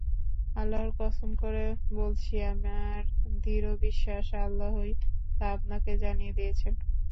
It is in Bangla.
আল্লাহর কসম করে বলছি, আমার দৃঢ় বিশ্বাস, আল্লাহই তা আপনাকে জানিয়ে দিয়েছেন।